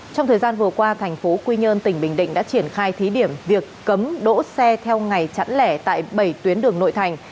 trong thời gian vừa qua thành phố quy nhơn tỉnh bình định đã triển khai thí điểm việc cấm đỗ xe theo ngày chẵn lẻ tại bảy tuyến đường nội thành